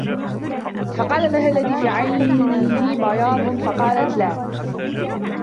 فَقَالَ لَهَا الَّذِي فِي عَيْنِهِ بَيَاضٌ ؟ فَقَالَتْ لَا